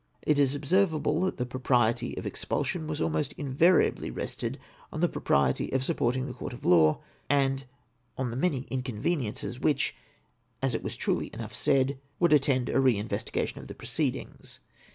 It is observable that the propriety of expulsion was almost invariably rested on the propriety of supporting the court of law, and on the many inconveniences which, as it was truly enough said, would attend a reinvesti gation of the proceedings.